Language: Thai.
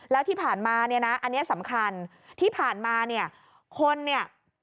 แล้วที่ผ่านมาเนี่ยนะอันนี้สำคัญที่ผ่านมาเนี่ยคนเนี่ย